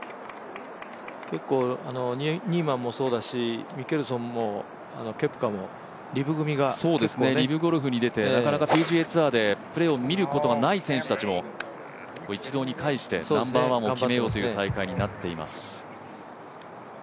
結構、ニーマンもそうだし、ミケルソンも、ケプカもリブゴルフに出てＰＧＡツアーでプレーを見ることができない選手も、一堂に会してナンバーワンを決めようという大会になっています。